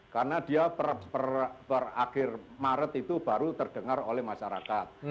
karena dia per akhir maret itu baru terdengar oleh masyarakat